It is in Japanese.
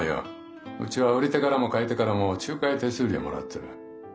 うちは売り手からも買い手からも仲介手数料をもらってる。